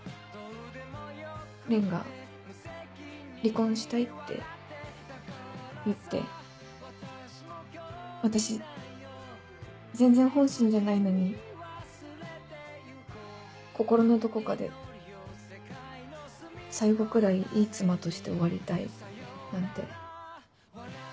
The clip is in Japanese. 蓮が「離婚したい」って言って私全然本心じゃないのに心のどこかで「最後くらいいい妻として終わりたい」なんて。